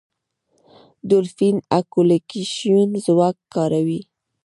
ډولفین اکولوکېشن ځواک کاروي.